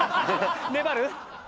粘る？